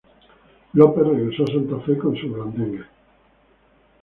López regresó a Santa Fe con sus blandengues.